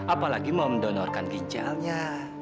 apalagi mau mendonorkan ginjalnya